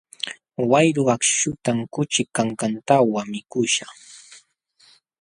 Wayru akśhutam kuchi kankantawan mikuśhaq.